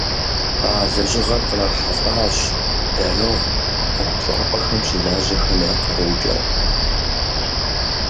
А лэжьыгъэр кърахьэлӀащ «Дарэгъу» ӀуэхущӀапӀэм щылажьэхэм я къарукӀэ.